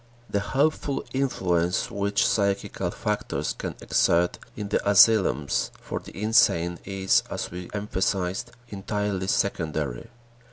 The helpful influence which psychical factors can exert in the asylums for the insane is, as we emphasized, entirely secondary.